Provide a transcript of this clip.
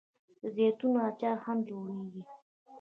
د زیتون اچار هم جوړیږي.